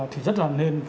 thì rất là nên